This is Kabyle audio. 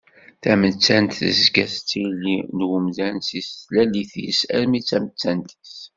Tamettant tezga d tili n umdan seg tlalit-is, armi d tamettant-is.